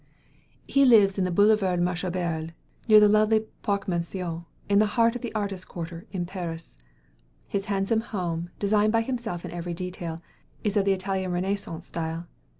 He lives in the Boulevard Malesherbes, near the lovely Parc Monceau, in the heart of the artists' quarter in Paris. His handsome home, designed by himself in every detail, is in the Italian Renaissance style.